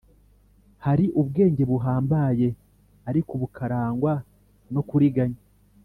Hari ubwenge buhambaye ariko bukarangwa no kuriganya,